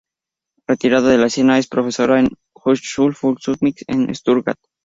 Retirada de la escena, es profesora en la "Hochschule für Musik" en Stuttgart.